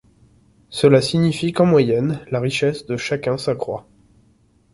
Cela signifie qu'en moyenne, la richesse de chacun s'accroit.